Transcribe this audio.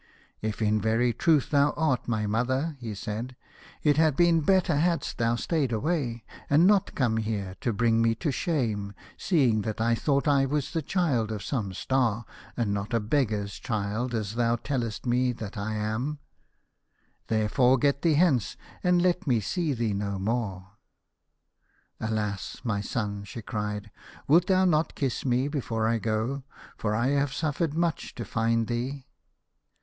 "If in very truth thou art my mother," he said, " it had been better hadst thou stayed away, and not come here to bring me to shame, seeing that I thought I was the child of some Star, and not a beggar's child, as thou tellest me that I am. 141 A House of Pomegranates. Therefore get thee hence, and let me see thee no more." " Alas ! my son," she cried, " wilt thou not kiss me before I go ? For I have suffered much to find thee."